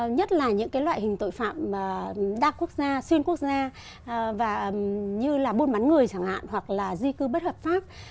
nhất là những loại hình tội phạm đa quốc gia xuyên quốc gia và như là buôn bắn người chẳng hạn hoặc là di cư bất hợp pháp